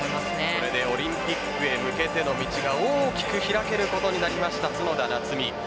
これで、オリンピックへの道が大きく開けることになりました角田夏実。